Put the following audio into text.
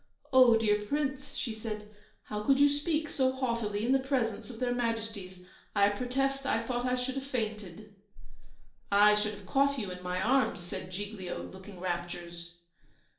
"Oh, dear Prince," she said, "how could you speak so haughtily in presence of their Majesties? I protest, I thought I should have fainted." "I should have caught you in my arms," said Giglio, looking raptures.